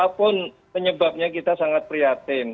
walaupun penyebabnya kita sangat priatin